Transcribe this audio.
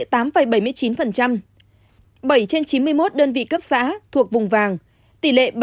bảy trên chín mươi một đơn vị cấp xã thuộc vùng vàng tỷ lệ bảy sáu mươi chín